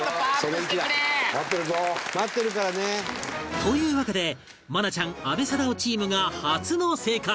というわけで愛菜ちゃん阿部サダヲチームが初の正解